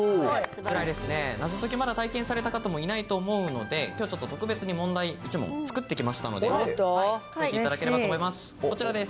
謎解き、まだ体験された方もいないと思うので、きょうちょっと特別に問題、１問、作ってきましたので、解いていただければと思います。